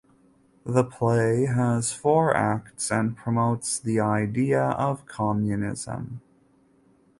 The play has four acts and promotes the idea of Communism.